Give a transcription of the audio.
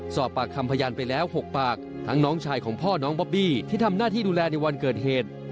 สอบปากคำพยานไปแล้ว๖ปากทั้งน้องชายของพ่อน้องบอบบี้ที่ทำหน้าที่ดูแลในวันเกิดเหตุ